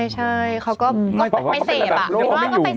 ใช่เขาก็ไม่เสพ